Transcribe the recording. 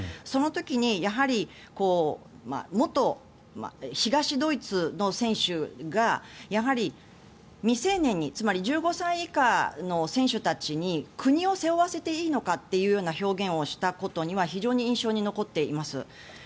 その時に、やはり元東ドイツの選手がやはり未成年につまり、１５歳以下の選手たちに国を背負わせていいのかという表現をしたことには非常に印象に残っています。